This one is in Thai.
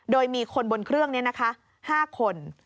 โดยมีคนบนเครื่องนี้นะคะ๕คน